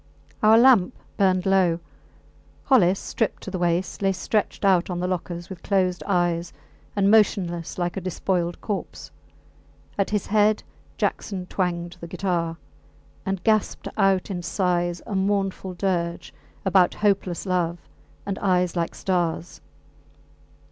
Our lamp burned low. Hollis, stripped to the waist, lay stretched out on the lockers, with closed eyes and motionless like a despoiled corpse; at his head Jackson twanged the guitar, and gasped out in sighs a mournful dirge about hopeless love and eyes like stars.